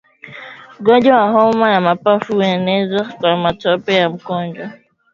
Ugonjwa wa homa ya mapafu huenezwa na matone ya mkojo